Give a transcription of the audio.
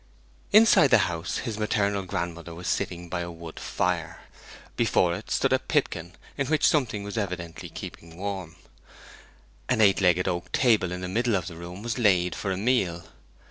Inside the house his maternal grandmother was sitting by a wood fire. Before it stood a pipkin, in which something was evidently kept warm. An eight legged oak table in the middle of the room was laid for a meal.